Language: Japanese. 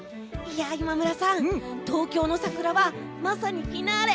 今村さん、東京の桜はまさにフィナーレ！